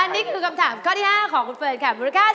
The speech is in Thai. นี่คือคำถามข้อที่๕ของคุณเฟิร์นค่ะมูลค่า